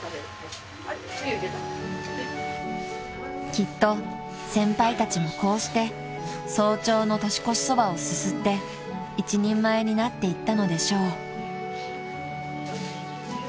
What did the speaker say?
［きっと先輩たちもこうして早朝の年越しそばをすすって一人前になっていったのでしょう］